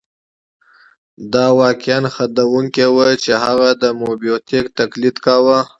دا واقعاً خندوونکې وه چې هغه د موبوتیک تقلید کاوه.